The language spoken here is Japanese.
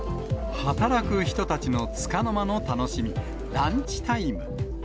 働く人たちのつかの間の楽しみ、ランチタイム。